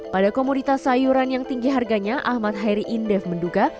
pada komoditas sayuran yang tinggi harganya ahmad hairi indef menduga